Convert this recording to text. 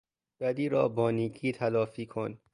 بدی را با نیکی تلافی کن!